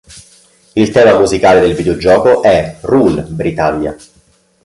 Il tema musicale del videogioco è "Rule, Britannia!".